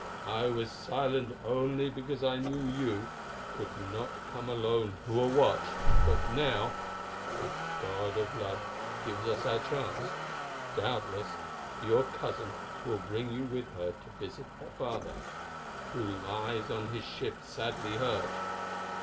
I was silent only because I knew you could not come alone who are watched; but now the God of Love gives us our chance. Doubtless your cousin will bring you with her to visit her father, who lies on his ship sadly hurt.